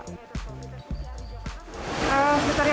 seterusnya yang terlihat adalah vaksin dosis pertama